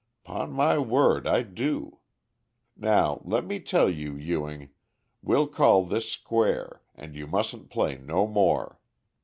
'Pon my word I do. Now let me tell you, Ewing, we'll call this square, and you mustn't play no more.